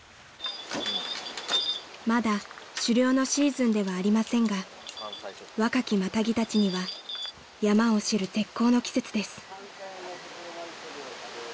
［まだ狩猟のシーズンではありませんが若きマタギたちには山を知る絶好の季節です］